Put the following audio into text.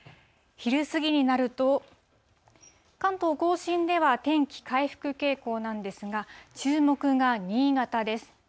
昼過ぎになると、関東甲信では天気回復傾向なんですが、注目が新潟です。